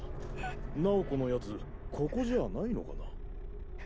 楠宝子のやつここじゃあないのかな。